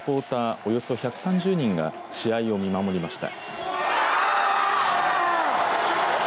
およそ１３０人が試合を見守りました。